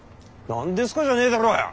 何ですかじゃねえだろうよ！